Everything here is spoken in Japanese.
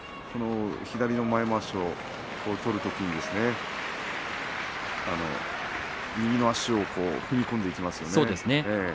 左の前まわしを取るときに右の足を踏み込んでいきますよね。